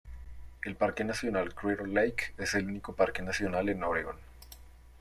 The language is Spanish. El Parque nacional Crater Lake es el único parque nacional en Oregón.